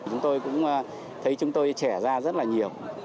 chúng tôi cũng thấy chúng tôi trẻ ra rất là nhiều